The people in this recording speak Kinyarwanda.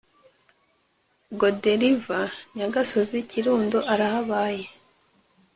Godelive Nyagasozi Kirundo arahabaye